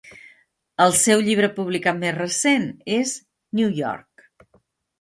El seu llibre publicat més recent és "New York".